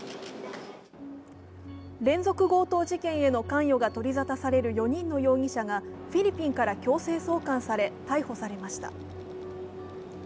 連続強盗事件への関与が取りざたされる４人の容疑者がフィリピンから強制送還され逮捕されました。